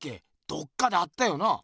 どっかで会ったよなあ？